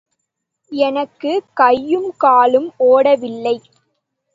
எனக்குக் கையும் காலும் ஓடவில்லை.